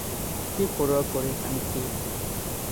কে পরোয়া করে, আমি কে?